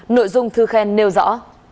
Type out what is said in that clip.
nội dung thư khen nêu rõ